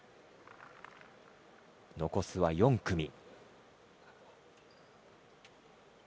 残すは４組。